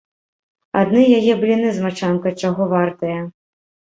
Адны яе бліны з мачанкай чаго вартыя!